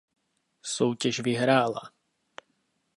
Soutěž vyhrála.